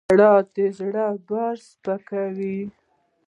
• ژړا د زړه بار سپکوي.